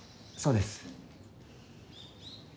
そうです。